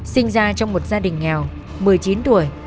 sinh ra trong một gia đình nghèo một mươi chín tuổi